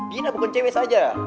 dina bukan cewek saja